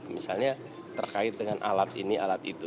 misalnya terkait dengan alat ini alat itu